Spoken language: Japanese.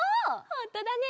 ほんとだね！